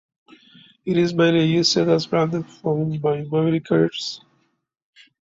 It is mainly used as branded phone by mobile carriers.